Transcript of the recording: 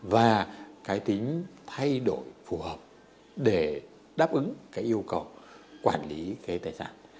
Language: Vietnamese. và cái tính thay đổi phù hợp để đáp ứng cái yêu cầu quản lý cái tài sản